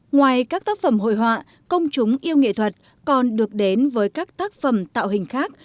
ngoài các tác phẩm hội họa công chúng yêu nghệ thuật còn được đến với các tác phẩm tạo hình khác